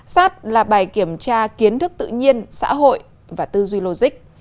sát là bài kiểm tra kiến thức tự nhiên xã hội và tư duy logic